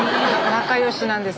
仲良しなんです